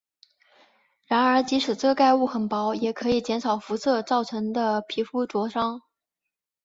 然而即使遮盖物很薄也可以减少热辐射造成的皮肤灼伤。